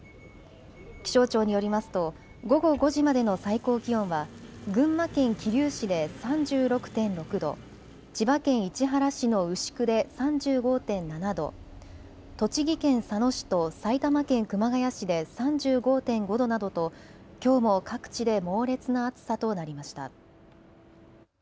気象庁によりますと午後５時までの最高気温は群馬県桐生市で３６．６度、千葉県市原市の牛久で３５．７度、栃木県佐野市と埼玉県熊谷市で３５．５度などと、きょうも各地で猛烈な暑さとなりました。